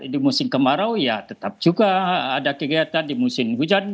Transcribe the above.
di musim kemarau ya tetap juga ada kegiatan di musim hujan